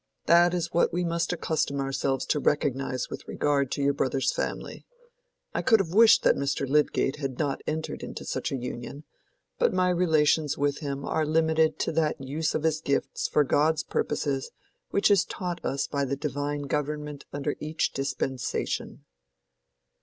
That is what we must accustom ourselves to recognize with regard to your brother's family. I could have wished that Mr. Lydgate had not entered into such a union; but my relations with him are limited to that use of his gifts for God's purposes which is taught us by the divine government under each dispensation."